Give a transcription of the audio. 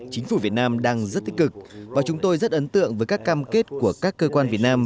chính phủ việt nam đang rất tích cực và chúng tôi rất ấn tượng với các cam kết của các cơ quan việt nam